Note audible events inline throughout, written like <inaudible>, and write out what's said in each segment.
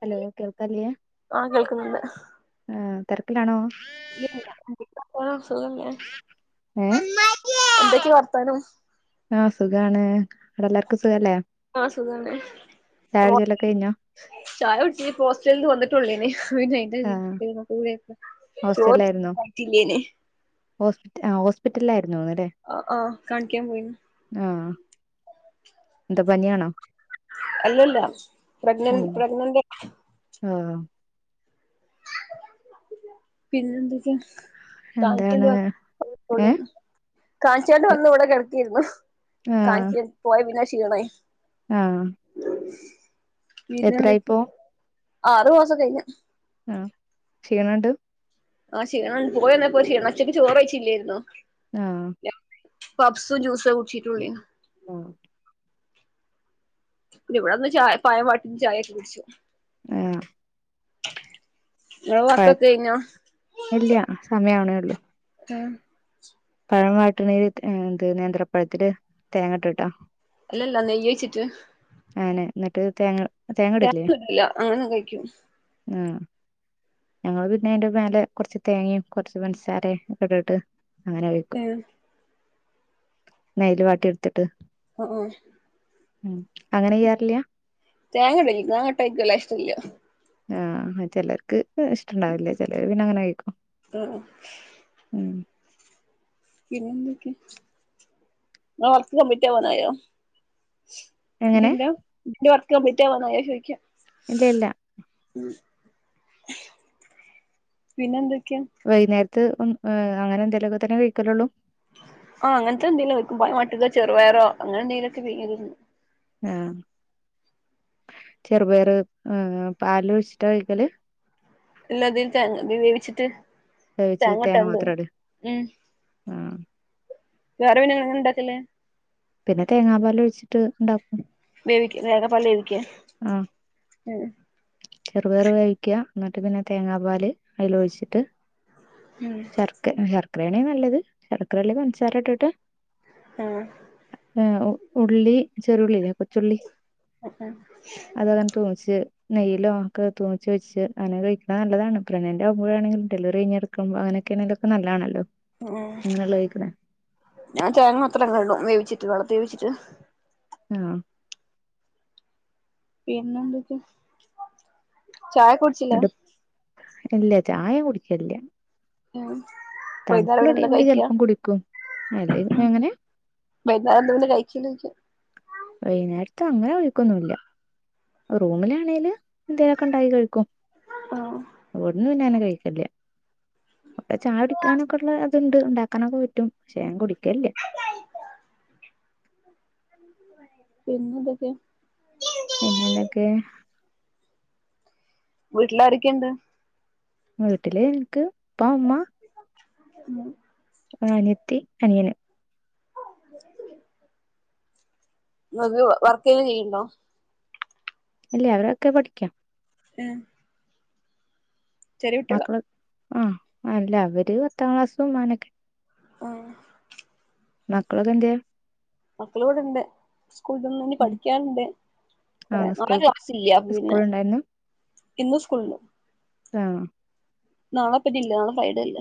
hello കേൾക്കല്ല്യ ആഹ കേൾക്കുന്നുണ്ട് ആഹ് തെര്ക്കിലാണോ ഇ വർത്താന സുഖല്ല്യെ ഏ എന്തക്ക വർത്താനം ആഹ സുഖാണ് അവിടെ എല്ലാർക്കും സുഖല്ലേ ആ സുഖാണ് ചായുട്ച്ചലൊക്കെ കഴിഞ്ഞോ ചായുട്ച്ച്പ്പോ ഹോസ്റ്റൽന്ന് വന്നിട്ടോള്ളേന്നു ആ ഞാൻ <unintelligible> ഹോസ്പ ഹോസ്പിറ്റല ആയിരുന്ന ന്നല്ലേ ആ ആ കാണിക്കാൻ പോയിന്ന് ആഹ എന്താ പനിയാണോ അല്ലല്ല പ്രഗ്നന്റ് ഉം പ്രഗ്നന്റ് ആ പിന്നെ എന്തൊക്കാ എന്താണ് കാ ഏ <unintelligible> കാൺച്ചാണ്ട് വന്ന ഇവിടെ കിടക്കീരുന്നു ആ കാൺച പോയ പിന്നെ ക്ഷീണായി ആഹ പിന്നെ എന്തൊക്ക ആറു മാസം കഴിഞ്ഞു ആ ക്ഷീണണ്ട് ആഹ ഷീണം പോയന്നപ്പോ ഷീണാ ഉച്ചക്ക് ചോറ് വെയ്ച്ചില്ലായിര്ന്നു ആഹ പപ്പ്സും ജൂസും കുടിച്ചിട്ടുളേന്നു ആഹ പിന്ന ഇവിടെന്ന് ചായ പയം വാട്ടി ചായൊക്കെ കുടിച്ചു ആഹ് <unintelligible> പഴ വർക്കൊക്കെ കഴിഞ്ഞോ ഇല്ല സമയണേ ഉള്ളൂ ഏഹ് പഴ വാട്ടിണീര് എന്ത് നേന്ത്രപ്പഴത്തില് തേങ്ങട്ട്ട്ടോ അല്ലല്ലാ നെയ്യോയിച്ചിട്ട് അങ്ങനെ ന്നിട്ട് തേങ്ങ തേങ്ങ <unintelligible> അങ്ങനെ കഴിക്കും ഉം ഞങ്ങള് പിന്നെ അയ്ന്റെ മേലെ കൊർച്ച് തേങ്ങി കൊർച്ച് പൻസാരേം ഇട്ടട്ട് അങ്ങനെകഴിക്കും ഏഹ് നെയ്യ്ല് വാട്ടിട്ത്തിട്ട് ഓ ഓ ഉം അങ്ങനെ ചെയ്യാറില്ല തേങ്ങടെല്ലാ തേങ്ങാട്ടാ ഇൻക്ക് വല്ലാ ഇഷ്ടല്ല ആഹ് ചിലർക്ക് ഇഷ്ടുണ്ടാവില്ലേ ചിലര് പിന്നെ അങ്ങനെ കയിക്കും ആഹ് ഉം പിന്നന്തൊക്കെ ഇങ്ങളെ വർക് കംപ്ലീറ്റ് ആവാനായോ എങ്ങനെ ഇതിന്റെ ഇതിന്റെ വർക്ക് കംപ്ലീറ്റ് ആവാനായോചോയിക്ക ഇല്ല ഇല്ല <unintelligible> പിന്നെ എന്തൊക്കെ വൈന്നേർത്ത് ഒ അങ്ങനെന്തെലുക്കെ തന്നെ കഴിക്കലോള്ളൂ ആഹ അങ്ങനത്തെന്തങ്കിലും വെക്കും പയം വാട്ടുക ചെറുപയറോ അങ്ങനെന്തങ്കലൊക്കെ പിങ്ങി തിന്നും ആഹ ചെറുപയറ് ഉം പാല് ഒഴിച്ചിട്ടാ കഴിക്കല് ഇല്ലതി ത വേവിച്ചിട്ട് വേവിച്ച് തേങ്ങ തേങ്ങട്ടാണ്ട് മാത്രം ഇടേ ഉം ആഹ് വേറെ പിന്നെങ്ങനെണ്ടാക്കല് പിന്നെ തേങ്ങാ പാലോഴിച്ചിട്ട് ഇണ്ടാക്കും വേവിക്ക തേങ്ങാപ്പാൽ വേവിക്ക ആഹ ചെറുപറു വേവിക എന്നിട്ട് പിന്നെ തേങ്ങാ പാൽ അതിൽ ഒഴിച്ചിട്ട് ഉം ശർക്കരയാണേ നല്ലത് ഷർക്കരല്ലെ പൻസാരട്ട്ട്ട് ആഹ ആ ഉള്ളി ചെറുള്ളില്ല കൊച്ചുള്ളി <inaudible> അതെങ്ങാട് തുമിച്ച് നെയിലോക്കെ തൂമിച്ച് വെച്ച് അങ്ങന കഴിക്കണ നല്ലതാണ് പ്രഗ്നൻന്റ് ആ മ്പോളാണെങ്കിലും ഡെലിവറി കഴിഞ്ഞ അങ്ങനക്കെണെലോക്കെ നല്ലാണല്ലോ ഉം ഞാൻ തേങ്ങ മാത്രം ഇടും വേവിച്ചിട്ട് വെളത്തി വേവിച്ചിട്ട് ആഹ പിന്നെന്തക്ക ചായ കുടിച്ചിലേ എന്നിട്ട് ഇല്ല ചായ കുടിക്കെല്ല ഉം വൈകുന്നേരം തണുപ്പുള്ള പിന്നെ എന്താ ടൈമില് കഴിക്കാ ചിലപ്പം കുടിക്കും അല്ലെ പിന്നങ്ങനെ വൈന്നേരന്താ പിന്നെ കഴിക്കലേ ചോയിക്ക വൈന്നേരത്ത് അങ്ങനെ കഴിക്കൊന്നുല്ല റൂമിലാണെങ്കില് എന്തേലൊക്കെ ഉണ്ടാകി കഴിക്കും ആഹ് ഇവട് പിന്നങ്ങനെ കഴിക്കല അപ്പ ചാ കുടിക്കാനൊക്കെ ഉള്ള അത്ണ്ട് ഉണ്ടാക്കാനൊക്കെ പറ്റും പക്ഷെ ഞാൻ കുടിക്കേല്ല പിന്നെതൊക്കെ പിന്നെന്തോക്കെ വീട്ടിലാരൊക്കെണ്ട് വീട്ടില് ഇൻക്ക് ഇപ്പ ഉമ്മ ഉം ആ അനിയത്തി അനിയന് ങ്ങക്ക് വർക്ക് ചെയ്യണ്ടോ ഇല്ല അവരൊക്കെ പഠിക്കാ ഉം ചെറിയ കുട്ടികളാ മക്കള് ആഹ് അല്ല അവര് പത്താം ക്ലാസും അങ്ങനൊക്കെ ആഹ് മക്കളൊക്കെന്തെ മക്കള് ഇവ്ടണ്ട് സ്കൂളന്ന ഉം പഠിക്കാൻല്ല കൊറെ ആഹ് സ്കൂൾ നാളെ ക്ലാസ് ഇല്ല സ്കൂൾ പിന്നെ ഉണ്ടായിരുന്നു ഇന്ന് സ്കൂളുണ്ട് ആഹ നാളെപ്പനില്ല നാളെ ഫ്രൈഡേ ഇല്ല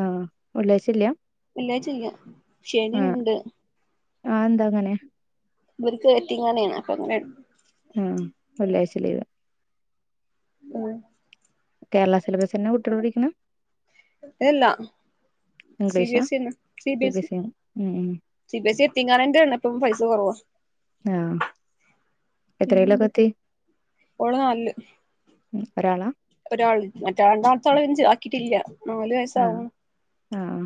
ആഹ വെള്ളിയാഴ്ച്ചില്ല വെള്ളിയാഴ്ചല്ല ശനിണ്ട് ആഹ എന്താ അങ്ങനെ ഇവർക്ക് യെത്തിങ്കാനെയ അപ്പങ്ങന ആഹ വെള്ളിയാഴ്ച ലീവ് ആഹ കേരള സിലബസ് എന്നെ കുട്ടിയള് പഠിക്കണ ഇല്ല സി ബി ഇംഗ്ലീഷാ എസ് സി എന്നെ C B S E C B S C എത്തിങ്കാനന്റാണ് ഇപ്പ പൈസ കൊറവ ആഹ പിന്നെണ്ട് എത്രലൊക്കത്തി ഓള് നാലില് ഉ ഒരാളാ ഒരാൾ മറ്റ രണ്ടാളത്താളെ ആക്കിട്ടില്ല നാല് ആഹ് വയസ്സാവും ആഹ്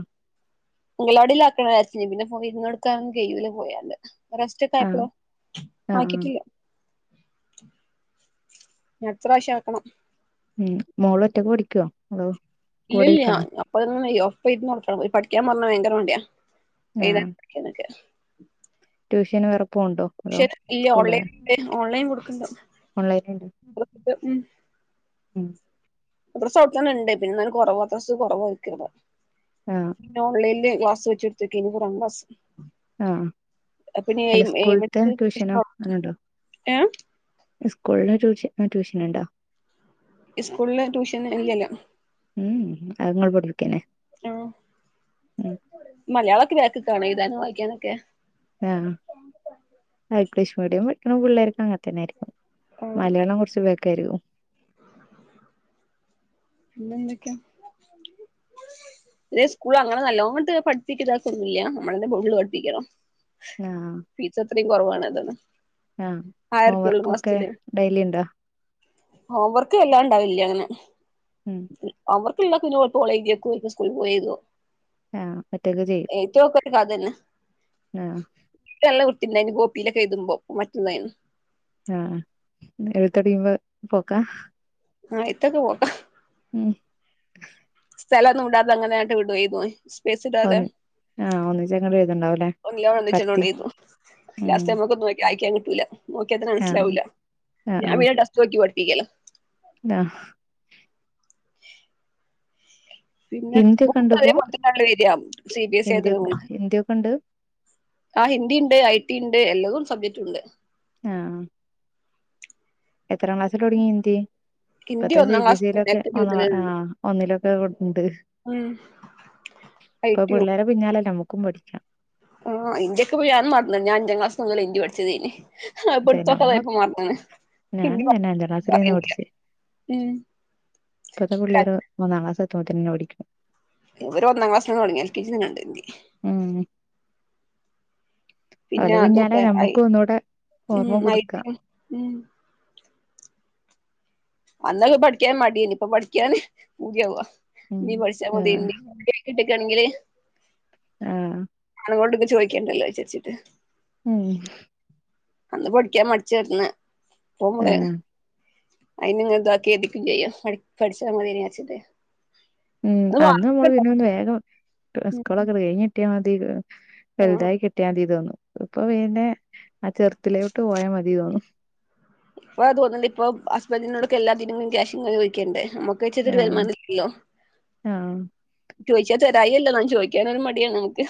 അംഗലാടിൽ ആക്കണാർച്ച പിന്നെയ ഇര്ന്ന് കൊടുക്കാനൊന്നും കഴൂല പോയാല് റെസ്റ്റ് ഒക്കെ ആഹ് ആയപ്പളോ ആഹ് ആഹ് ആക്കിട്ടില്ല അടുത്ത പ്രാവശ്യം ആക്കണം മം മോള ഒറ്റക്ക പടിക്കുവോ ഇല്ലല്ല അപ്പൊ ഒപ്പർന്ന പഠിക്കാൻ പറഞ്ഞ ഭയങ്കര മടിയ എയ്താ ആഹ് ക്കെ ട്യൂഷന് വേറെപ്പോവ്ണ്ടോ ട്യൂഷൻ ഇല്ല ഓൺലൈൻ ഓൺലൈൻ കൊടുക്കുന്നുണ്ട ഓൺലൈൻൽണ്ട് ഉ ഉം ഉം മദ്രസടെത്തന്നെ ഉണ്ട പിന്നെന്നാലും കുറവ മദ്രസ കൊറവ <unintelligible> ആഹ് പിന്നെ ഓൺലൈല് ക്ലാസ് വെച്ചെടുത്തേക്ക ഇനിപ്പോ രണ്ട് ആഹ് അല്ല സ്കൂൾത്തെ ട്യൂഷനോ <unintelligible> അപ്പ <unintelligible> ഏ സ്കൂളിലാ ട്യൂഷൻ ആ ട്യൂഷൻ ഉണ്ടോ സ്കൂളില് ട്യൂഷൻ ഇല്ലല്ല ഉം അതുങ്ങൾ ഇവിടെ ഇരിക്കുവല്ലേ ഹലോ ആ മലയാളൊക്കെ ബാക്കിക്കാണ് എഴുതാനും വായിക്കാനൊക്കെ ആഹ് ഇംഗ്ലീഷ് മീഡിയം- ഇപ്പൊ ഉള്ള പിള്ളേർക്ക്‌ അങ്ങനെത്തന്നെയിരിക്കും ആഹ് മലയാളം കൊറച്ച് ബാക്കായിരിക്കും പിന്നെ എന്തൊക്കെയാ ഇതേ സ്കൂള് അങ്ങനെ നല്ലോണം ഇട്ട് പഠിപ്പിക്കതാക്കൊന്നുല്ല നമ്മളന്നേ ഫുള്ള് പഠിപ്പിക്കണം ആഹ് ഫീസ് അത്രയും കൊറവാണ് അതാണ് ആഹ് ഹോം വർക്കൊക്കെ ഡെയ്ലി ഉണ്ടോ ഹോം വർക്ക് എല്ലാം ഉണ്ടാവില്ല അങ്ങനെ ഉം ഹോമർക്കു <unintelligible> ള്ളൊ കോളേജിക്കു ഇന്ന് സ്കൂൾ പോയ്തോ ആഹ് ഒറ്റക്ക് ചെയ്യും ഏറ്റ <unintelligible> ക്ക കാതല്ല ആഹ് ഇപ്പൊ നല്ല വൃത്തിണ്ടായിനി കൊപ്പിയിലൊക്കെ എയ്തുമ്പോ മറ്റു <unintelligible> ന്നായിന് ആഹ് എഴുത്ത് കഴിയുമ്പോ പോക്കാ ആ എയി <unintelligible> ത്തോക്കാ ഉം സ്ഥലൊന്നും ഇടാതെ അങ്ങനായിട്ട് ഇവിടെ എഴുതും അവൻ സ്പേസ് ഇടാതെ ഒന്ന് ആഹ് ഒന്നിച്ചങ്ങട് എഴുതുണ്ടാവുല്ലേ എല്ലാം കൂടെ ഒന്നിച്ച് പരത്തി എഴുതിയോണ്ടിരുന്നോ ഉം ലാസസ്റ്റ് നമ്മക്ക്ന്നു വായിക്കാൻ കിട്ടൂല്ല നോക്കിയാ തന്നെ ആഹ് മനസിലാവൂല്ല ഞാൻ പിന്നെ ടെസ്റ്റ്‌ നോക്കി പഠപ്പിക്കല ടാ പിന്നെ ഹിന്ദിയൊക്കെ ബുക്ക് അതേ ഇണ്ടിപ്പോ പോലത്തതാണല്ലോ വരിയ സി ബി എസ് സി ഹിന്ദിയൊ ആയതോണ്ട് ഹിന്ദിയൊക്കെ ഇണ്ട് ആ ഹിന്ദി ഉണ്ട് ഐ ടി ഉണ്ട് എല്ലോം സബ്ജക്റ്റ് ഉണ്ട് ആഹ് എത്രാം ക്ലാസില് തൊടങ്ങീ ഹിന്ദ് ഹിന്ദി ഇപ്പത്തെ സി ഒന്നാം ബി എസ് ക്ലാസ് സിലൊക്കെ ഒള്ളതാ ആഹ് ആഹ് ഒന്നിലൊക്കെ കൊടുത്തിട്ടുണ്ട് ആ <unintelligible> യി ഇപ്പൊ പിള്ളേരെ പിന്നാലെ നമ്മുക്കും പഠിക്കാം ആഹ് ഹിന്ദിക്കെ ഞാനും മറന്ന് ഞാൻ അഞ്ചാം ക്ലാസ് മുതലാ ഹിന്ദി പഠിച്ചത് തന്നെ ആ അതെ പൊടു <unintelligible> നമ്മള ത്തക്കതായിപ്പോ മാറന്ന്ണ് ഞാനും തന്നെ അഞ്ചാം ക്ലാസ്സിലേന്ന് പഠിച്ചേ ഉ ഇപ്പത്തെ പിള്ളേര് ഒന്നാം ക്ലാസ് എത്തുമ്പന്നെ പടിക്കും ഇവര് ഒന്നാം ക്ലാസി ആണ് തൊടങ്ങിയെ എൽ കേ ജി തന്നെ ഉണ്ട് ആഹ് പിന്നെ അതൊക്കെ ഐ ഒന്നൂടെ ഓർമ്മ പുതുക്കാം - അന്നൊക്കെ പഠിക്കാൻ മടിയാണ് ഇപ്പ പഠിക്കാന് പൂതിയാവാ ഉം ഇനി പഠിക്കാൻ ആഹ് മതീന്ന് ഇ <unintelligible> ട്ടിക്കാണങ്കിൽ ആഹ് അതുകൊണ്ടൊക്കെ ചോയിക്കണ്ടല്ലോ വിചാരിച്ചിട്ട് ഉം അന്ന് പഠിക്കാൻ മടിച്ചിരിന്ന് ഇപ്പം - ആഹ് അയിന് ഇങ്ങനെ ഇതാക്കി എടുക്കും ചെയ്യും പ പഠിച്ചാൽ മതിയെന്ന് വിചാരിച്ചിട്ടേ ഉം അന്ന് നമ്മള് പിന്നൊന്ന് വേഗം സ്കൂളൊക്കണ്ട് ഉം കെയ്ഞ്ഞിട്ട്യാ മതി ആഹ് വെൽതായി കിട്ട്യാതി തോന്നും ഇപ്പൊ പിന്നെ ആ ചെർതിലോട്ട് പോയാ മതി തോന്നും ഇപ്പ അത് തോന്ന്ണ്ട് ഇപ്പം ഹസ്ബന്റിനോടൊക്കെ എല്ലാത്തിനും ക്യാഷ്ങ്ങനെ ചോയിക്കണ്ടെ ഞമ്മ ക്ക്ച്ച്ട്ട് ആഹ് വരുമാനല്യോ ആഹ് ചോയിച്ചാ തെരായല്ല ന്നാലും ചോയ്ക്കാനൊരു മടിയാണ് നമുക്ക്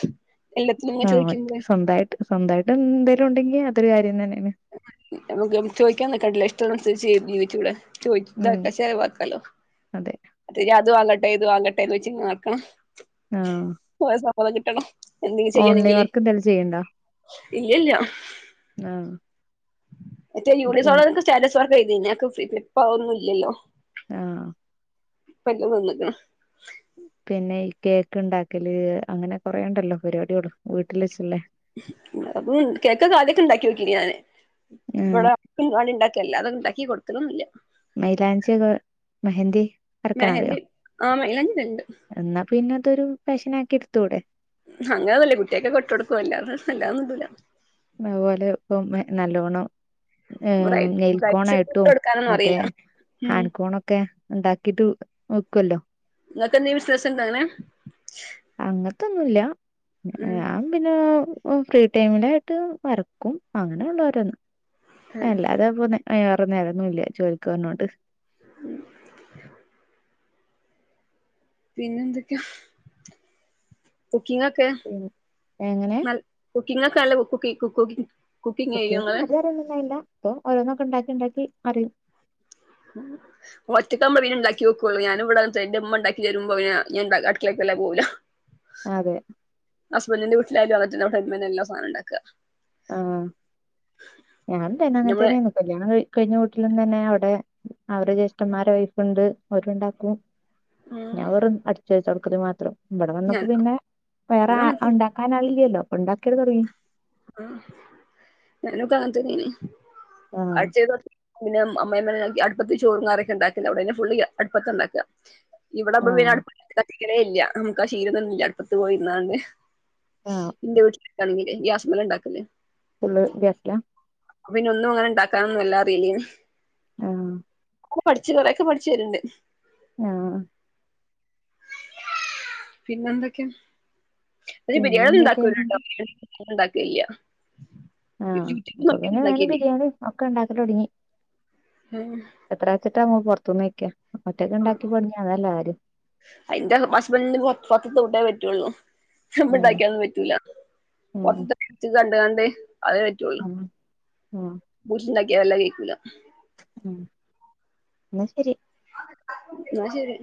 എല്ലാത്തിനും ഇങ്ങനെ ആഹ് മ ചോദിക്കുമ്പളേ സ്വന്തായിട്ട് സ്വന്തായിട്ട് എന്തേലുണ്ടെങ്കി അതൊരു കാര്യം തെന്നെണ് ഞമ്മക്ക് ചോയിക്കാനിക്കണ്ടല്ലൊ ഇഷ്ടള്ളനുസരിച്ച് ജീ ജീവിച്ചൂടെ ചോയ് ഉം <unintelligible> വാക്കാലോ അതെ <unintelligible> അത് വാങ്ങട്ടെ ഇത് വാങ്ങട്ടെ ന്ന് ച്ച് ങ്ങനെക്കണം ആഹ് ക്കോലെ സമ്മതം കിട്ടണം എന്തെങ്യും ഓൺലൈൻ ചെയ്യണെങ്കില് വർക്ക് എന്തായാലും ചെയ്യണ്ടാ ഇല്ലല്ല ആഹ് മറ്റേ യൂണി <unintelligible> സ്റ്റാറ്റസ് വർക്ക് ചെയ്തീനി അതൊക്കെ ഫ്രി പ്പ അതൊന്നുല്ലല്ലോ ആഹ് ഇപ്പെല്ലും നിന്ന്ക്ക്ണ് പിന്നെ ഈ കേക്ക്ണ്ടാക്കല് അങ്ങനെ കൊറേണ്ടല്ലോ പരിപാടിയാള് വീട്ടില് വെച്ച്ള്ളെ അത് കേക്കൊക്കെ ആദ്യയൊക്കെ ണ്ടാക്യോക്കീന് ഞാന് ആഹ് വടെ പ്പ് ന്റാടെണ്ടാക്കി അല്ലാതെ ണ്ടാക്കി കൊട്ക്കലൊന്നുല്ല മൈലാഞ്ചിയൊക്കെ മെഹന്തി വരക്കാനറിയോ മെഹന്തി ആ മൈലാഞ്ചി ഇടല്ണ്ട് ന്നാപിന്നതൊരു ഫാഷനാക്കിടുത്തൂടെ അങ്ങനൊന്നുല്ല കുട്ട്യാക്കൊക്കെ ഇട്ട് കൊടുക്കും അല്ലാതെ വെല്ലാതൊന്നുടൂല അതുപോലെ ഇപ്പം എ നല്ലോണ്ണം ബ്രൈ ഏയ്‌ നെയ്ൽ ബ്രൈഡ്സിന് ഇട്ട് കോണായിട്ടും കൊടുക്കാനൊന്നും മറ്റേ അറിയില്ല ഉം ഹാൻ കോണൊ ക്കെ ഉണ്ടാക്കിട്ട് വിക്കല്ലോ ഇങ്ങക്കെന്തേം വിശ്വാസണ്ടങ്ങനെ അങ്ങത്തൊന്നുല്ല ഉം ഞാൻ പിന്നെ ഫ്രീ ടൈമില ത്ത് വർക്കും അങ്ങനെള്ളോര്ന്ന് അല്ലാതെ പൊ നേ ഏറെ നേരൊന്നുല്ല ജോലിക്ക് വെര്ണോണ്ട് ഉം പിന്നെന്തൊക്യാ കുക്കിങൊക്കെ എങ്ങനെ നൽ കുക്കിങ്ങൊക്കെ നല്ല കുക്കി <unintelligible> ചെയ്യോ കുക്കിങ് ഇങ്ങള് നല്ലോ അറിയൊന്ന്ണ്ടാന്നില്ല പ്പൊ ഓരോന്നൊക്കെ ണ്ടാക്കി ണ്ടാക്കി അറിയും <unintelligible> ഒറ്റക്കാമ്പൊ പിന്നെ ണ്ടാക്യോക്കൊള്ളു ഞാൻ ഇവടെ അങ്ങൻത്തെന്നെ ഇന്റെമ്മ ണ്ടാക്കി തെരുമ്പോ പിന്നെ ഞാൻ അടുക്കളലേക്ക് വെല്ലാതെ പോവൂല അതെ ഹസ്ബന്റിന്റെ വീട്ടിലായാലും അങ്ങൻത്തെന്നെ അവടെ <unintelligible> എല്ലാ സാനും ണ്ടാക്ക ആഹ് ഞാനും തെന്നെ നമ്മളെ അങ്ങൻത്തെന്നെന്നു കല്യാണം കഴി കഴിഞ്ഞ വീട്ടിലും തന്നെ അവടെ അവരെ ജ്യേഷ്ഠമ്മാരെ വൈഫ്ണ്ട് അവരുണ്ടാക്കും ഉം ഞാൻ വെറും അടിച്ച് വാരി തൊടക്കല് മാത്രം ഇവടെ വെന്നപ്പോ ഞാനും പിന്നെ വേറെ അങ്ങൻതന്നെ ഒണ്ടാ കാരണം അത് ല്ലല്ലോ ഉണ്ടാക്കല് തൊടങ്ങി ഞാനൊക്കെ അങ്ങൻ തെന്നെനി ആഹ് അടിച്ചാരി തൊ പിന്നെ അമ്മായിമ്മ <unintelligible> അട്പ്പത്ത് ചോറും കറിയൊക്കെ ണ്ടാക്കല് അവടെന്നെ ഫുള്ള് അട്പ്പത്താ ണ്ടാക്ക ഇവടാവുമ്പൊ പിന്നെ ആഹ് അടു കത്തിക്കലേല്ല നമ്മക്കാ ശീലൊന്നുല്ല അടുപ്പത്ത് പോയിര്ന്നാണ്ട് ആഹ് ഇന്റെ വീട്ടിലൊക്കാണെങ്കിലെ ഗ്യാസ്മ്മല ണ്ടാക്കല് ഫുള്ള് ഗ്യാസ്സിലാ അപ്പൊ പിന്നെ ഒന്നും അങ്ങനെ ണ്ടാക്കാനൊന്നും എല്ലാ അറിയില്ലേനി ആഹ് പഠിച്ചു കുറെ ഒക്കെ പഠിച്ച വരുണ്ട് ആഹ് പിന്നെ എന്തൊക്കെയാ പിന്നെ ബിരിയാണി ഉണ്ടാക്കുവായിരുന്നു കേട്ടോ <unintelligible> ഇണ്ടാക്കി ഇല്ല ആഹ് ഇപ്പൊ പിന്നെ ഞാനും ബിരിയാണി ഒക്കെ ഉണ്ടാക്കി തുടങ്ങി ഉം എത്ര വെച്ചിട്ട നമ്മ പുറത്തുന്ന് കഴിക്ക ഒറ്റക്ക് ഇണ്ടാക്കി തൊടങ്ങിയ അതല്ലേ കാര്യം എന്റെ ഹസ്ബെന്റിന് <unintelligible> ഫുഡ് പറ്റുള്ളൂ ഞാൻ ഉം ഉണ്ടാക്കിയലൊന്നും പറ്റൂല ഉം <unintelligible> കണ്ട കാണ്ട് അത് റ്റുള്ളൂ ഉം വീട്ടിലുണ്ടാക്കിയെല്ലാം കൈക്കൂല ഉം എന്നാ ശരി എന്നാ ശരി